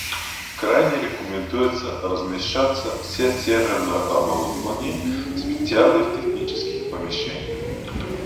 Крайне рекомендуется размещаться все серверное оборудование в специальных технических помещениях